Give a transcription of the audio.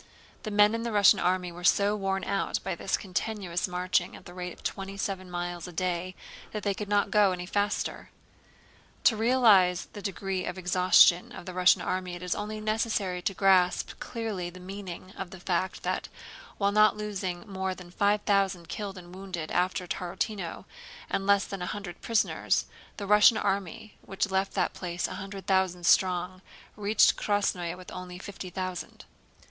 The men in the Russian army were so worn out by this continuous marching at the rate of twenty seven miles a day that they could not go any faster. To realize the degree of exhaustion of the Russian army it is only necessary to grasp clearly the meaning of the fact that, while not losing more than five thousand killed and wounded after Tarútino and less than a hundred prisoners, the Russian army which left that place a hundred thousand strong reached Krásnoe with only fifty thousand.